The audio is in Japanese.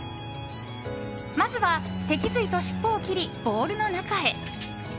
まずは脊髄と尻尾を切りボウルの中へ。